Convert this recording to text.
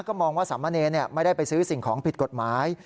ก็มองว่าสามเณรไม่ได้ไปซื้อสิ่งของผิดกฎหมาย